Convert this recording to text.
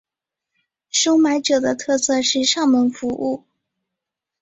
收买者的特色是上门服务。